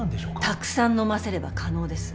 たくさん飲ませれば可能です。